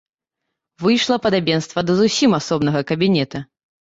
Выйшла падабенства да зусім асобнага кабінета.